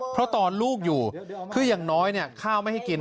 เพราะตอนลูกอยู่คืออย่างน้อยข้าวไม่ให้กิน